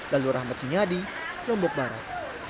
lalu rahmat sunyadi lombok barat